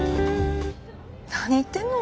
何言ってんの？